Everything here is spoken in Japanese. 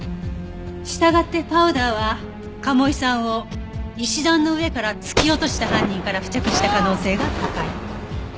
従ってパウダーは賀茂井さんを石段の上から突き落とした犯人から付着した可能性が高い。